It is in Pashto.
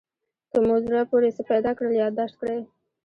که مو زړه پورې څه پیدا کړل یادداشت کړئ.